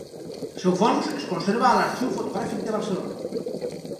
El seu fons es conserva a l'Arxiu Fotogràfic de Barcelona.